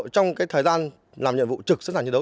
trong thời gian làm nhiệm vụ trực sẵn sàng chiến đấu